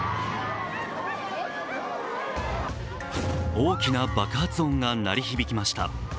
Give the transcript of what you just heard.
大きな爆発音が鳴り響きました。